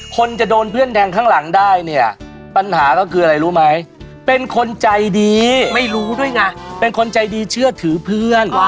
คนจะโดนเพื่อนแทงข้างหลังได้เนี่ยปัญหาก็คืออะไรรู้ไหมเป็นคนใจดีไม่รู้ด้วยไงเป็นคนใจดีเชื่อถือเพื่อน